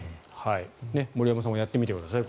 森山さんもやってみてください。